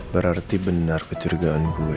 berarti benar kecergahan gue